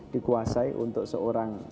dikuasai untuk seorang